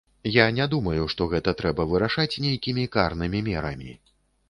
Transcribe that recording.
Я не думаю, што гэта трэба вырашаць нейкімі карнымі мерамі.